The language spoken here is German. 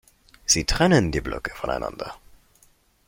Sie trennen die Blöcke voneinander.